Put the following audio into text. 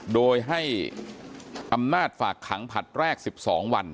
โดยให้อำนาจฝากขังผลัดแรก๑๒วัน